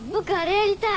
やりたい！